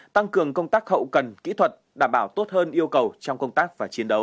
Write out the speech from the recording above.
tăng cường công tác hậu cần kỹ thuật đảm bảo tốt hơn yêu cầu trong công tác và chiến đấu